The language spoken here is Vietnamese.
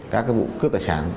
các cái vụ cướp tài sản